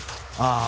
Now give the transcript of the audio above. ああ。